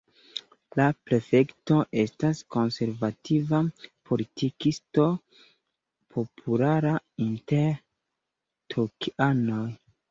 La prefekto estas konservativa politikisto populara inter tokianoj.